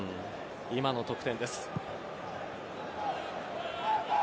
今の得点です。